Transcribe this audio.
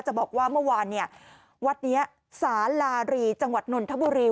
จะบอกว่าเมื่อวานเนี่ยวัดนี้สาลารีจังหวัดนนทบุรี